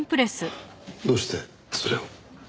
どうしてそれを？